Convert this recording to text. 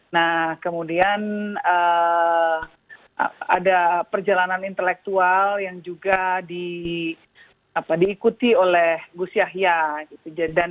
nah kemudian ada perjalanan intelektual yang juga diikuti oleh gus yahya